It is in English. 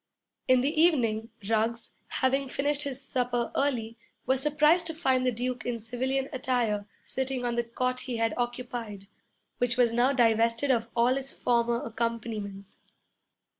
In the evening Ruggs, having finished his supper early, was surprised to find the Duke in civilian attire sitting on the cot he had occupied, which was now divested of all its former accompaniments.